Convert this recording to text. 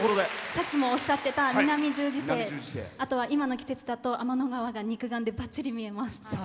さっきもおっしゃってた南十字星、あとは今の季節だと天の川が肉眼でばっちり見えます。